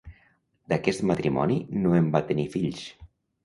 D'aquest matrimoni no en va tenir fills.